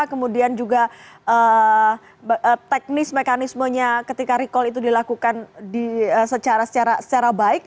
kemudian juga teknis mekanismenya ketika recall itu dilakukan secara baik